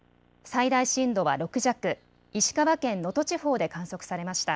最大震度は６弱、石川県能登地方で観測されました。